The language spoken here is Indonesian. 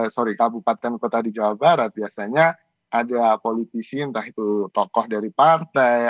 sorry kabupaten kota di jawa barat biasanya ada politisi entah itu tokoh dari partai